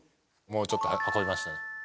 もうちょっと運びました。